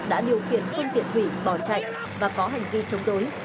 đã điều khiển phương tiện hủy bỏ chạy và có hành vi chống đối